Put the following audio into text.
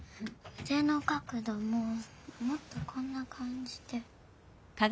うでの角度ももっとこんなかんじで。